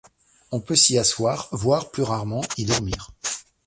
On peut s'y assoir voire plus rarement y dormir.